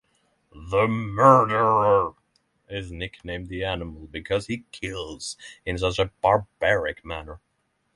The murderer is nicknamed The Animal because he kills in such a barbaric manner.